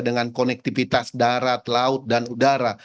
dengan konektivitas darat laut dan udara